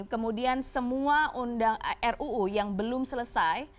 kemudian semua ruu yang belum selesai